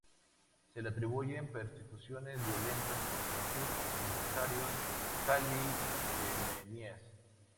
Se le atribuyen persecuciones violentas contra sus adversarios kalbí-yemeníes.